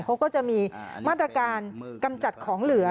เขาก็จะมีมาตรการกำจัดของเหลือ